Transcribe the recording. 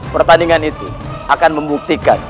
pertandingan itu akan membuktikan